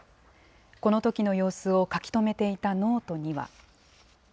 このときの様子を書き留めていたノートには。